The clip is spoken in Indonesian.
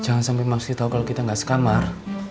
jangan sampe mamsi tau kalo kita gak sekamar